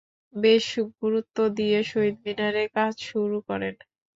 বেশ গুরুত্ব দিয়ে শহীদ মিনারের কাজ শুরু করেন।